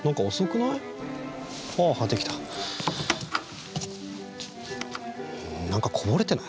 なんかこぼれてない？